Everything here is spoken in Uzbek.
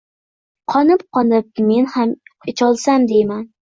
Qonib-qonib men ham icholsam, deyman.